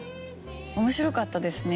面白かったですね